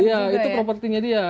iya itu propertinya dia